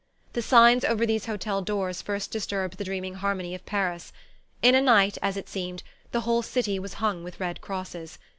The signs over these hotel doors first disturbed the dreaming harmony of Paris. In a night, as it seemed, the whole city was hung with Red Crosses.